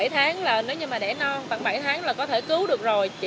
bảy tháng là nếu như mà đẻ non toàn bảy tháng là có thể cứu được rồi